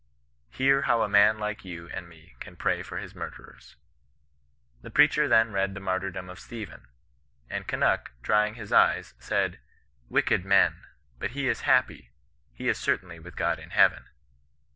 Hear how a man like you and me can pray for his murderers.' The preacher then read the martyrdom of Stephen ; and Kunnuk, dry ing his eyes, said, * Wicked men ! but be is happy ; he is certainly with God in heaven.